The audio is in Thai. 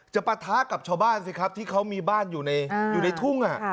จะประท้กับชาวบ้านสิครับที่เขามีบ้านอยู่ในอยู่ในทุ่งอ่ะ